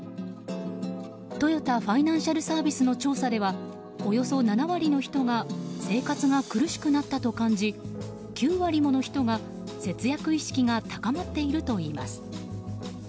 トヨタファイナンシャルサービスの調査ではおよそ７割の人が生活が苦しくなったと感じ９割もの人が節約意識が高まっているといいます。